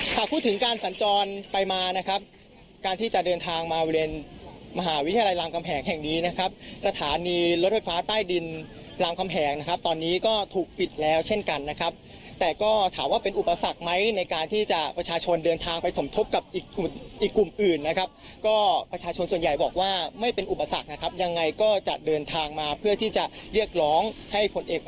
หากพูดถึงการสัญจรไปมานะครับการที่จะเดินทางมาบริเวณมหาวิทยาลัยรามกำแหงแห่งนี้นะครับสถานีรถไฟฟ้าใต้ดินรามคำแหงนะครับตอนนี้ก็ถูกปิดแล้วเช่นกันนะครับแต่ก็ถามว่าเป็นอุปสรรคไหมในการที่จะประชาชนเดินทางไปสมทบกับอีกกลุ่มอีกกลุ่มอื่นนะครับก็ประชาชนส่วนใหญ่บอกว่าไม่เป็นอุปสรรคนะครับยังไงก็จะเดินทางมาเพื่อที่จะเรียกร้องให้ผลเอก